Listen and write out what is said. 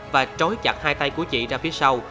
và trói chặt hai tay của chị ra phía sau